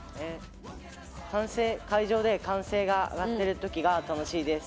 会場で歓声が上がっているときが楽しいです。